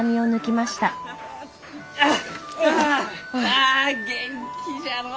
あ元気じゃのう。